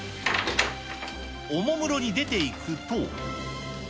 おもむろに出ていくと。